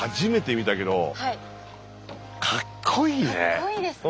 かっこいいですね。